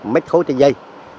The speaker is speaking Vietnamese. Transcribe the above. một mét khối trên dây